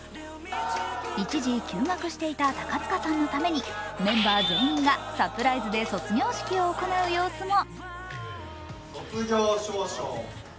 一時、休学していた高塚さんのために、メンバー全員がサプライズで卒業式を行う様子も。